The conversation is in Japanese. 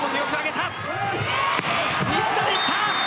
西田でいった。